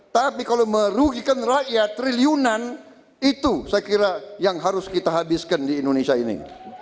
tapi kalau merugikan rakyat triliunan itu saya kira yang harus kita habiskan di indonesia ini